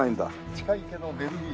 近いけどベルギー。